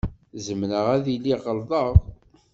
Zemreɣ ad iliɣ ɣelḍeɣ.